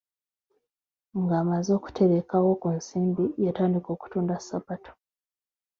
Ng'amaze okuterekawo ku nsimbi, yatandika okutunda ssapatu.